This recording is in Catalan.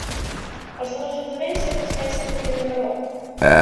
Els de l'ajuntament sempre es pensen que tenen raó.